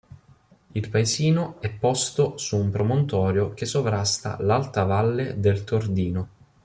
Il paesino è posto su un promontorio che sovrasta l'alta valle del Tordino.